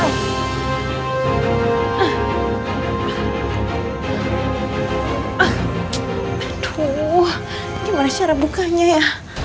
wah gimana cara bukanya ya